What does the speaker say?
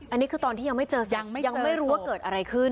อันนี้คือตอนที่ยังไม่เจอศพยังไม่รู้ว่าเกิดอะไรขึ้น